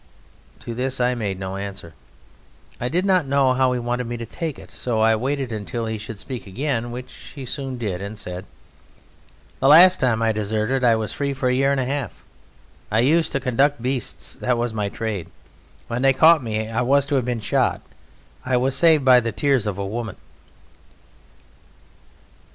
To this I made no answer. I did not know how he wanted me to take it, so I waited until he should speak again, which he soon did, and said: "The last time I deserted I was free for a year and a half. I used to conduct beasts; that was my trade. When they caught me I was to have been shot. I was saved by the tears of a woman!"